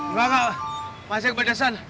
enggak enggak masih keberdasan